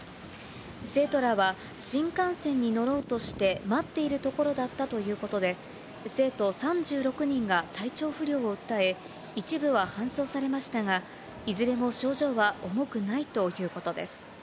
生徒らは新幹線に乗ろうとして待っているところだったということで、生徒３６人が体調不良を訴え、一部は搬送されましたが、いずれも症状は重くないということです。